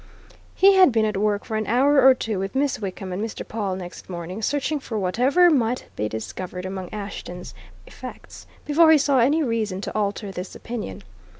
He had been at work for an hour or two with Miss Wickham and Mr. Pawle next morning, searching for whatever might be discovered among Ashton's effects, before he saw any reason to alter this opinion.